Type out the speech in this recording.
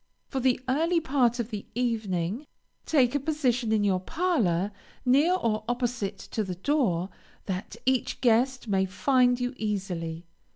For the early part of the evening, take a position in your parlor, near or opposite to the door, that each guest may find you easily.